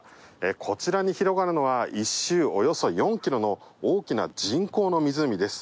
こちらに広がるのは１周およそ４キロの大きな人工の湖です。